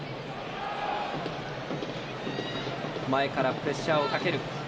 前からプレッシャーをかける。